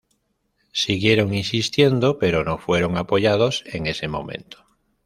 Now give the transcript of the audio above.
Siguieron insistiendo pero no fueron apoyados en ese momento.